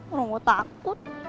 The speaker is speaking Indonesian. orang gue takut